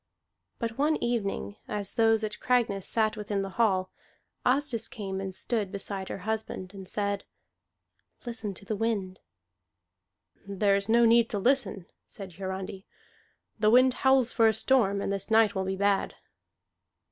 But one evening, as those at Cragness sat within the hall, Asdis came and stood beside her husband, and said, "Listen to the wind." "There is no need to listen," said Hiarandi. "The wind howls for a storm, and this night will be bad."